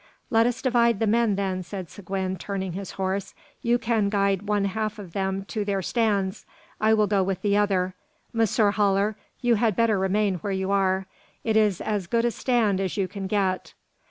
"Let us divide the men, then," said Seguin, turning his horse; "you can guide one half of them to their stands. I will go with the other. Monsieur Haller, you had better remain where you are. It is as good a stand as you can get.